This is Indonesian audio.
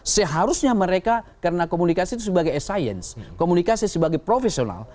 seharusnya mereka karena komunikasi itu sebagai science komunikasi sebagai profesional